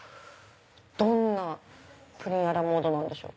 どんなプリンアラモードなんでしょう？